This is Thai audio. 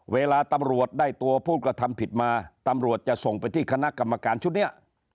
เวลาตำรวจได้ตัวผู้กระทำผิดมาตำรวจจะส่งไปที่คณะกรรมการชุดนี้